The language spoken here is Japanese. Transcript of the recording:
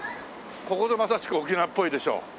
ここぞまさしく沖縄っぽいでしょう。